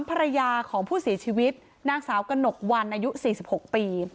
ภรรยาของผู้เสียชีวิตนางสาวกระหนกวันอายุ๔๖ปี